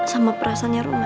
sama perasaannya roman